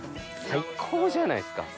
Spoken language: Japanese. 最高じゃないっすか！